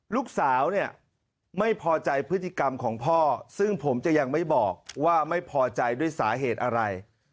ลูกสาวเนี่ยไม่พอใจพฤติกรรมของพ่อซึ่งผมจะยังไม่บอกว่าไม่พอใจด้วยสาเหตุอะไร